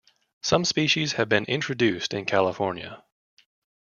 Some species have been introduced in California.